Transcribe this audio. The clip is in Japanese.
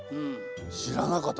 知らなかった。